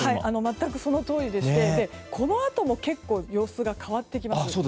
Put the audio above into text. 全くそのとおりでしてこのあとも結構様子が変わってきます。